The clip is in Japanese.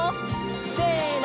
せの！